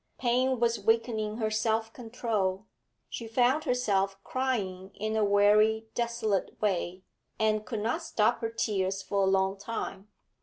Pain was weakening her self control; she found herself crying in a weary, desolate way, and could not stop her tears for a long time.